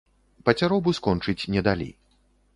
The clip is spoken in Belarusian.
Пацяробу скончыць не далі.